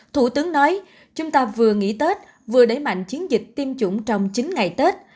thủ tướng nói chúng ta vừa nghỉ tết vừa đẩy mạnh chiến dịch tiêm chủng trong chín ngày tết